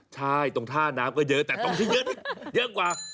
ใช่ตรงท่าน้ำก็เยอะแต่ตรงที่เยอะเยอะกว่า